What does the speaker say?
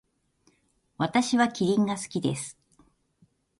私はキリンが好きです。